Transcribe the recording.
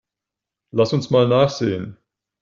Lass uns mal nachsehen.